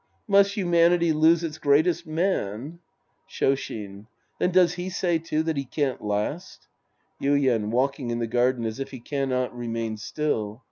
Must humanity lose its greatest man ? Shoshin. Then, does he say, too, that he can't last — Yuien {walking in the garden as if he cannot remain still).